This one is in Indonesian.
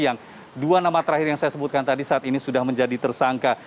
yang dua nama terakhir yang saya sebutkan tadi saat ini sudah menjadi tersangka